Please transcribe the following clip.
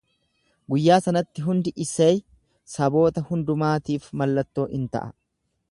Guyyaa sanatti hundi Isey saboota hundumaatiif mallattoo in ta'a.